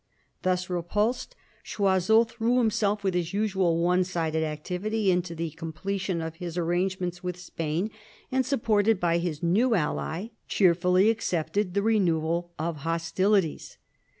Thus repulsed, Ghoiseul threw himself with his usual one sided activity into the completion of his arrangements with Spain, and, supported by his new ally, cheerfully accepted the re newal of hostilities.